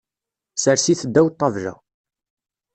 Sers-it ddaw ṭṭabla.